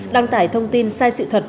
đăng tải thông tin sai sự thật